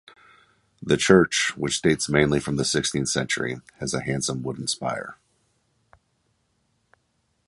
The church, which dates mainly from the sixteenth century, has a handsome wooden spire.